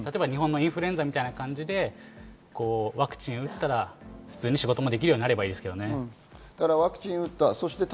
うまく向き合って行って、例えば日本のインフルエンザみたいな感じで、ワクチンを打ったら普通に仕事もできるようになればいいですけどね。